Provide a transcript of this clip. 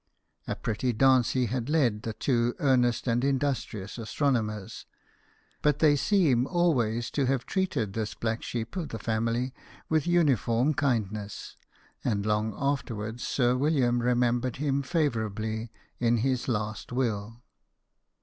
A pretty dance he had led the two earnest and industrious astronomers ; but they seem always to have treated this black sheep of th(i family with uniform kindness, and long afterwards Sir William remembered him favour ably in his last will.